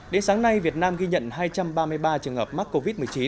đến sáng nay việt nam ghi nhận hai trăm ba mươi ba trường hợp mắc covid một mươi chín